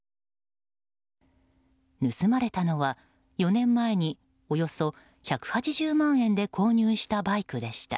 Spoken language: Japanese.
盗まれたのは４年前におよそ１８０万円で購入したバイクでした。